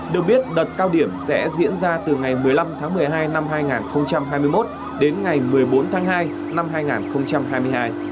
được biết đợt cao điểm sẽ diễn ra từ ngày một mươi năm tháng một mươi hai năm hai nghìn hai mươi một đến ngày một mươi bốn tháng hai năm hai nghìn hai mươi hai